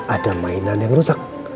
ada mainan yang rusak